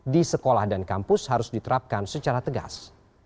di sekolah dan kampus harus diterapkan secara tegas